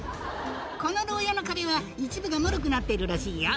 この牢屋の壁は、一部がもろくなっているらしいよ。